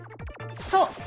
そう！